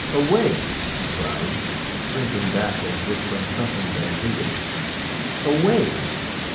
"Away!" he cried, shrinking back as if from something that he hated. "_Away!